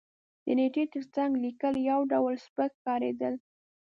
د نېټې تر څنګ لېکل یو ډول سپک ښکارېدل.